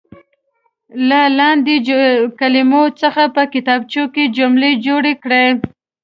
له لاندې کلمو څخه په کتابچو کې جملې جوړې کړئ.